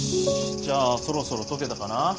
じゃあそろそろ解けたかな？